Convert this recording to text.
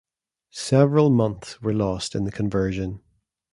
Several months were lost in the conversion.